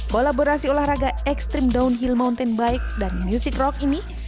kolaborasi olahraga ekstrim downhill mountain bike dan music rock ini